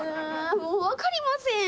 もうわかりません。